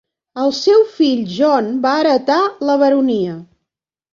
El seu fill John va heretar la baronia.